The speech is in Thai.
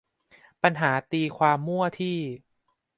ปัญหาตีความมั่วที่